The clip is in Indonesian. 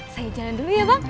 saya jalan dulu ya bang